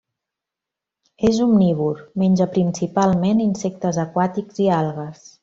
És omnívor: menja principalment insectes aquàtics i algues.